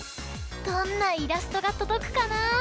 どんなイラストがとどくかな！